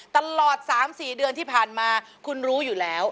ตลอด๓๔เดือนที่ผ่านมาคุณรู้อยู่แล้ว